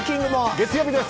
月曜日です。